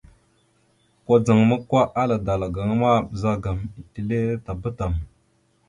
Kudzaŋ ma, kwa, ala dala gaŋa ma, ɓəzagaam etelle tabá tam.